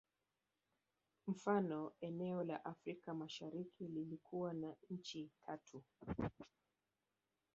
Mfano eneo la Afrika Mashariki likiwa na nchi tatu